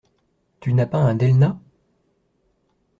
Tu n'as pas un Delna ?